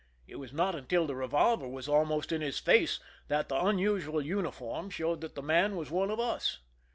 It was not until the revolver was almost in his face that the unusual uniform showed that the man was one of us.